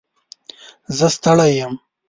زه ستړی یم.